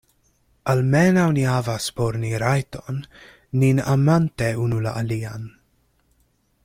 Almenaŭ ni havas por ni rajton, nin amante unu la alian.